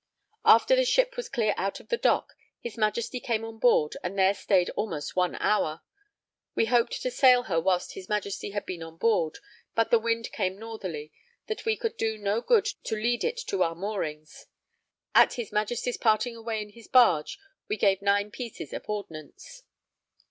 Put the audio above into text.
After the ship was clear out of the dock, his Majesty came on board and there stayed almost one hour. We hoped to sail her whilst his Majesty had been on board, but the wind came northerly, that we could do no good to lead it to our moorings. At his Majesty's parting away in his barge we gave nine pieces of ordnance.